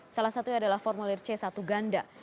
salah satunya adalah formulir c satu ganda